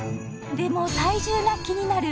でも体重が気になる